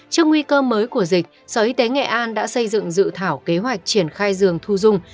trước nguy cơ mới của dịch sở y tế nghệ an đã xây dựng dự thảo kế hoạch triển khai giường thu dung